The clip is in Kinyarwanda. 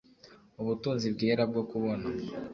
ubutunzi bwera bwo kubona